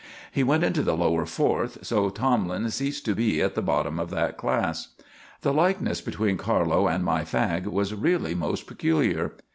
He went into the Lower Fourth, so Tomlin ceased to be at the bottom of that class. The likeness between Carlo and my fag was really most peculiar.